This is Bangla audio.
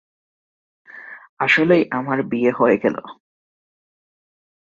আসলেই আমার বিয়ে হয়ে গেল।